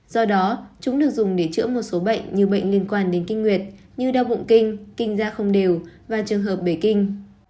do đó chúng được dùng để chữa một số bệnh như bệnh liên quan đến kinh nguyệt như đau bụng kinh kinh da không đều và trường hợp bề kinh